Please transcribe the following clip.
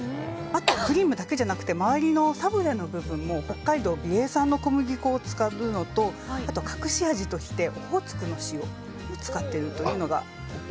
あと、クリームだけじゃなくて周りのサブレの部分も北海道美瑛産の小麦粉を使っているのとあと、隠し味としてオホーツクの塩を使っているというのが。